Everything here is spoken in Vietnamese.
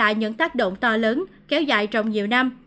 và sẽ lại những tác động to lớn kéo dài trong nhiều năm